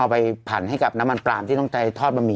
ไปผั่นให้กับน้ำมันปลามที่ต้องใช้ทอดบะห